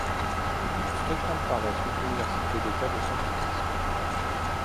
Il fréquente par la suite l'université d'État de San Francisco.